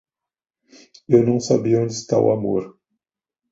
Eu não sabia onde está o amor.